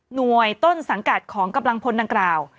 หน่วยต้นสังกัดของกำลังพลดังกล่าว